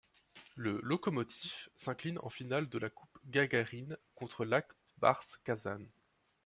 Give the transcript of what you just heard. Le Lokomotiv s'incline en finale de la Coupe Gagarine contre l'Ak Bars Kazan.